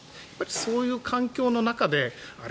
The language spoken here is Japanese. そういう環境の中であれ？